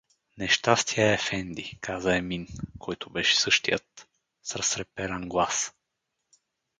— Нещастие, ефенди — каза Емин (който беше същият) с разтреперан глас.